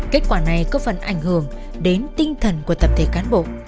kết quả này có phần ảnh hưởng đến tinh thần của tập thể cán bộ